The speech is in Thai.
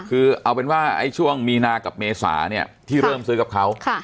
คือเอาเป็นว่าช่วงมีนากับเมษาเนี่ยที่เริ่มซื้อกับเขา